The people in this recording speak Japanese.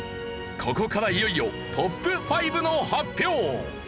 ここからいよいよトップ５の発表！